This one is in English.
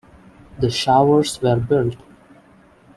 The showers were built.